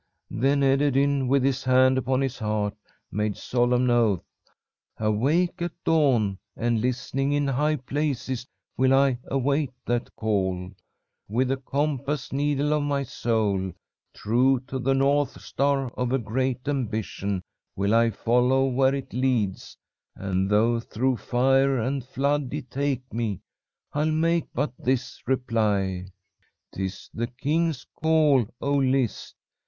"Then Ederyn, with his hand upon his heart, made solemn oath. 'Awake at dawn and listening in high places will I await that call. With the compass needle of my soul true to the north star of a great ambition will I follow where it leads, and though through fire and flood it take me, I'll make but this reply: "''Tis the king's call. O list!